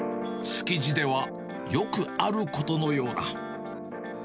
築地ではよくあることのようだ。